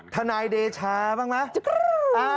ทนายเดชาบ้างมั้ย